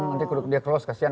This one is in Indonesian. nanti dia close kasihan